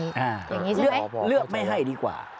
อย่างนี้ใช่ไหมพอประกอบกับปัจจัยนะครับเลือกไม่ให้ดีกว่า